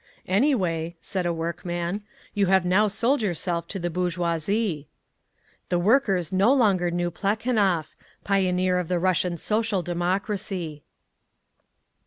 "Anyway," said a workman, "you have now sold yourself to the bourgeoisie!" The workers no longer knew Plekhanov, pioneer of the Russian Social Democracy!